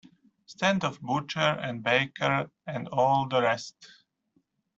Stand off butcher and baker and all the rest.